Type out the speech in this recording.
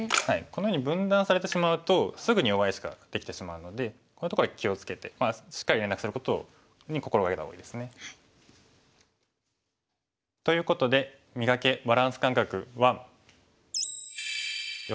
このように分断されてしまうとすぐに弱い石ができてしまうのでこういうところは気を付けてしっかり連絡することに心掛けた方がいいですね。ということで「磨け！バランス感覚１」。